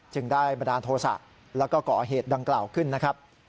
จึงได้บันดาลโทษะแล้วก็ก่อเหตุดังกล่าวขึ้นนะครับ